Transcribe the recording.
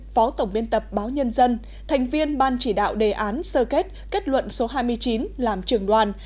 phó tổng biên tập báo nhân dân thành viên ban chỉ đạo đề án sơ kết kết luận số hai mươi chín làm trưởng đoàn